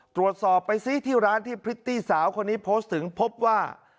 ตรวจสอบไปซิที่ร้านที่พริตตี้สาวคนนี้โพสต์ถึงพบว่า